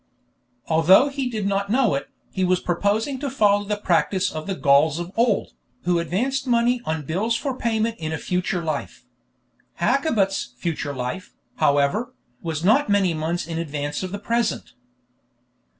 Although he did not know it, he was proposing to follow the practice of the Gauls of old, who advanced money on bills for payment in a future life. Hakkabut's "future life," however, was not many months in advance of the present.